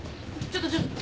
ちょっとちょっと。